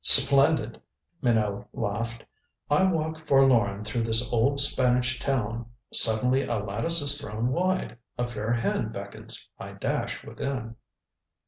"Splendid," Minot laughed. "I walk forlorn through this old Spanish town suddenly a lattice is thrown wide, a fair hand beckons. I dash within."